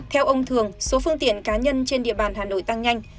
theo ông thường số phương tiện cá nhân trên địa bàn hà nội tăng nhanh